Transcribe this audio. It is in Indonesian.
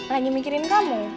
lagi mikirin kamu